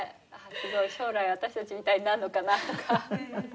将来私たちみたいになるのかなとか。